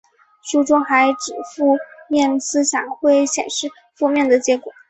书中还指负面思想会显示负面的结果。